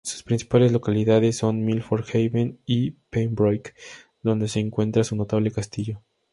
Sus principales localidades son Milford Haven y Pembroke, donde se encuentra su notable Castillo.